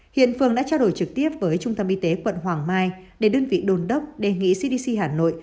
hiện phường đã trao đổi trực tiếp với trung tâm y tế quận hoàng mai để đơn vị đồn đốc đề nghị cdc hà nội